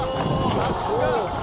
さすが！